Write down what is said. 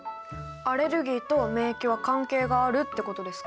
アレルギーと免疫は関係があるってことですか？